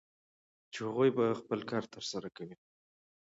چې هغوی به خپل کار ترسره کوي